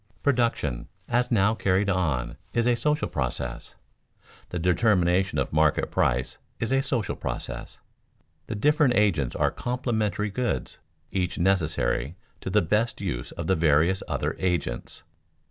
Production as now carried on is a social process; the determination of market price is a social process. The different agents are complementary goods, each necessary to the best use of the various other agents.